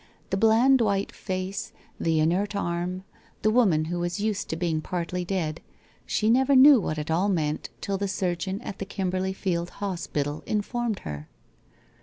The bland white face, the inert arm, the woman who was used to being partly dead — she never knew what it all meant till the surgeon at the Kimberley field Hospital informed her.